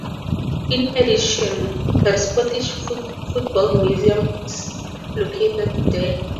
In addition, the Scottish Football Museum is located there.